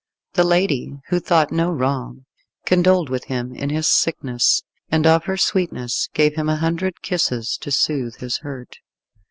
The lady, who thought no wrong, condoled with him in his sickness, and of her sweetness gave him a hundred kisses to soothe his hurt.